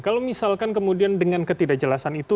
kalau misalkan kemudian dengan ketidakjelasan itu